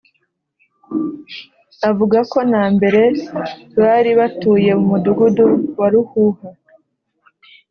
avuga ko na mbere bari batuye mu mudugudu wa Ruhuha